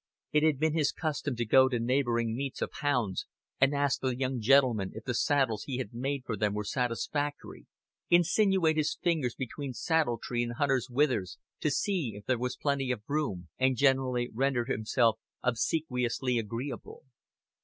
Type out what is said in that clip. It had been his custom to go to neighboring meets of hounds and ask the young gentlemen if the saddles he had made for them were satisfactory, insinuate his fingers between saddle tree and hunter's withers to see if there was plenty of room, and generally render himself obsequiously agreeable.